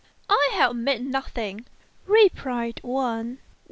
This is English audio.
"I have met nothing," replied Wang.